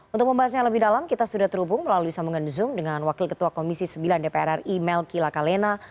untuk membahasnya lebih dalam kita sudah terhubung melalui sambungan zoom dengan wakil ketua komisi sembilan dpr ri melki lakalena